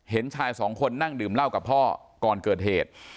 เห็นชายสองคนนั่งดื่มเหล้ากับพ่อก่อนเกิดเหตุ